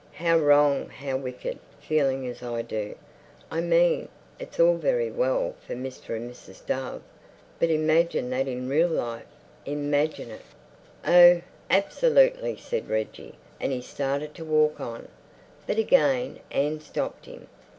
"How wrong, how wicked, feeling as I do. I mean, it's all very well for Mr. and Mrs. Dove. But imagine that in real life—imagine it!" "Oh, absolutely," said Reggie, and he started to walk on. But again Anne stopped him.